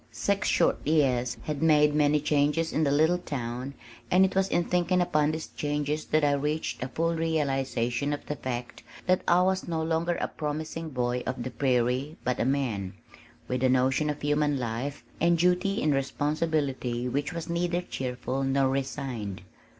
Six short years had made many changes in the little town and it was in thinking upon these changes that I reached a full realization of the fact that I was no longer a "promising boy" of the prairie but a man, with a notion of human life and duty and responsibility which was neither cheerful nor resigned.